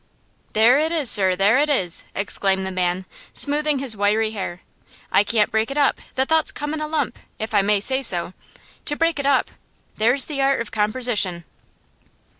'There it is, sir; there it is!' exclaimed the man, smoothing his wiry hair. 'I can't break it up. The thoughts come in a lump, if I may say so. To break it up there's the art of compersition.